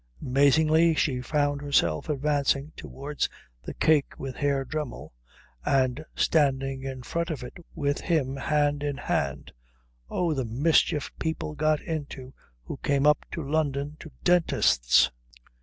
Amazingly she found herself advancing towards the cake with Herr Dremmel and standing in front of it with him hand in hand. Oh, the mischief people got into who came up to London to dentists!